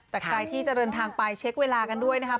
แต่ใครที่จะเดินทางไปเช็คเวลากันด้วยนะครับ